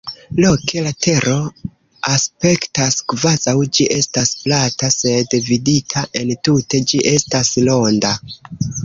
Loke la Tero aspektas kvazaŭ ĝi estas plata, sed vidita entute ĝi estas ronda.